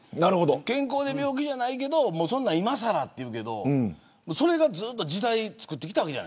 健康で病気じゃないけどそんなの今更というけどそれがずっと時代をつくってきたわけです。